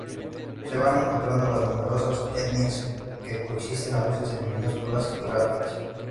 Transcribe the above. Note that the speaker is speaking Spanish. Se van encontrando las numerosas etnias que coexisten a veces en minúsculas geografías.